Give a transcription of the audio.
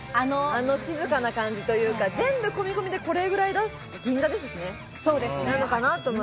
あの静かな感じというか、全部込み込みで、これくらい出して、銀座ですしね。